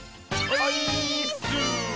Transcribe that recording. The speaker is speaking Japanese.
オイーッス！